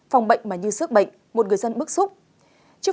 phòng bệnh mà như sức bệnh một người dân bức xúc trước